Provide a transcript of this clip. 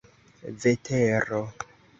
vetero